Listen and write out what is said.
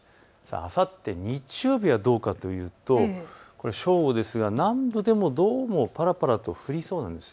あさって日曜日はどうかというとこれは正午ですが南部でもどうもぱらぱらと降りそうなんです。